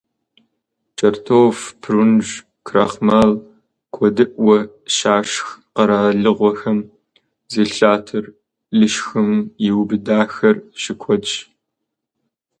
КӀэртӀоф, прунж, крахмал куэдыӀуэ щашх къэралыгъуэхэм зи лъатэр лышхым иубыдахэр щыкуэдщ.